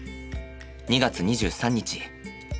２月２３日。